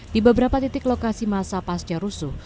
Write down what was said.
di beberapa titik lokasi masa pasca rusuh